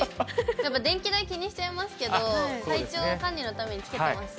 でも電気代気にしちゃいますけど、体調管理のためにつけてますね。